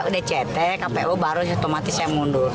udah cek kpu baru otomatis yang mundur